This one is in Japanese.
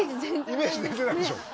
イメージ全然ないでしょ？